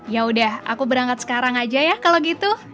ya udah aku berangkat sekarang aja ya kalau gitu